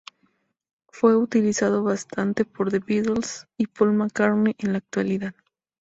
Fue utilizado bastante por The Beatles y Paul McCartney en la actualidad.